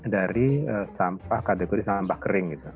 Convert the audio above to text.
dari sampah kategori sampah kering gitu